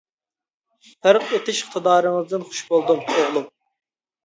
پەرق ئېتىش ئىقتىدارىڭىزدىن خۇش بولدۇم، ئوغلۇم!